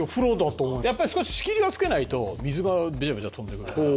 やっぱり少し仕切りを付けないと水がビチャビチャ飛んでくるから。